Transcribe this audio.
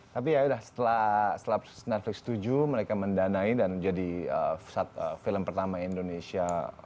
tapi ya udah setelah netflix setuju mereka mendanain dan jadi film pertama indonesia